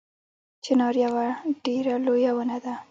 چنار یوه ډیره لویه ونه ده